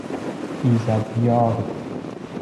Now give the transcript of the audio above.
ایزدیار